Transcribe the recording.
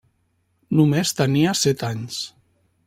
Només tenia set anys.